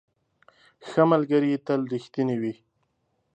ښه ملګري تل رښتیني وي.